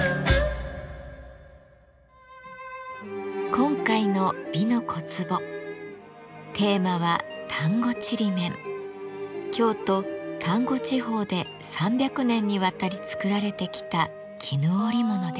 今回の「美の小壺」テーマは京都丹後地方で３００年にわたり作られてきた絹織物です。